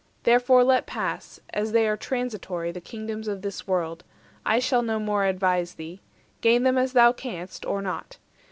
Therefore let pass, as they are transitory, The kingdoms of this world; I shall no more 210 Advise thee; gain them as thou canst, or not.